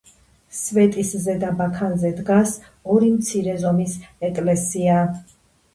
სვეტის ზედა ბაქანზე დგას ორი მცირე ზომის ეკლესია.